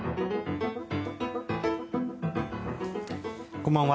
こんばんは。